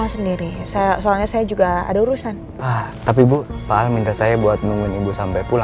enggak lah aku gak dijemput sama al